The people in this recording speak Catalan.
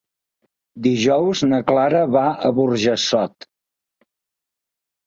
Dijous na Clara va a Burjassot.